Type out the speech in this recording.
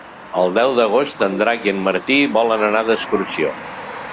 El deu d'agost en Drac i en Martí volen anar d'excursió.